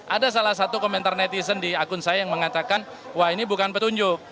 ada salah satu komentar netizen di akun saya yang mengatakan wah ini bukan petunjuk